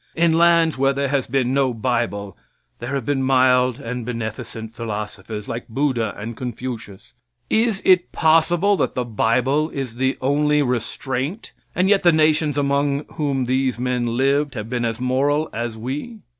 In lands where there has been no bible there have been mild and beneficent philosophers, like Buddha and Confucius. Is it possible that the bible is the only restraint, and yet the nations among whom these men lived have been as moral as we?